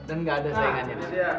dan nggak ada sayangannya di situ